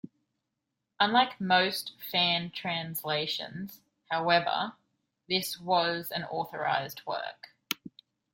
Unlike most fan translations, however, this was an authorised work.